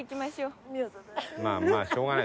まあまあしょうがない。